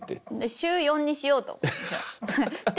週４にしようと思って。